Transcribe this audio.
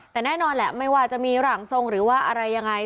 แต่แน่นอนแหละไม่ว่าจะมีหลังทรงหรือว่าอะไรยังไง